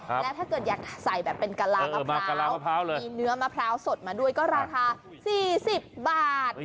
และถ้าเกิดอยากใส่แบบเป็นกะลามะพร้าวมีเนื้อมะพร้าวสดมาด้วยก็ราคา๔๐บาท